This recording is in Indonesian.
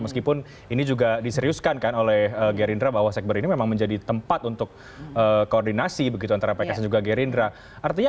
meskipun ini juga diseriuskan kan oleh gerindra bahwa sekber ini memang menjadi tempat untuk koordinasi begitu antara pks dan juga gerindra